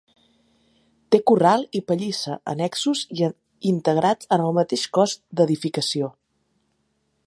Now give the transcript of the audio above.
Té corral i pallissa annexos i integrats en el mateix cos d'edificació.